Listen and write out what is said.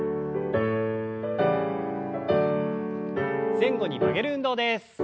前後に曲げる運動です。